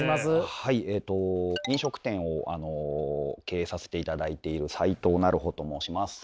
えっと飲食店を経営させていただいている齋藤成穂と申します。